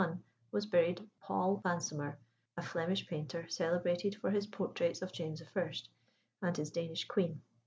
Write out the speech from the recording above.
Near him, in 1621, was buried Paul Vansomer, a Flemish painter, celebrated for his portraits of James I. and his Danish queen.